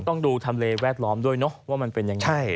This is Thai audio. ต้องดูทำเลแวดล้อมด้วยเนอะว่ามันเป็นยังไง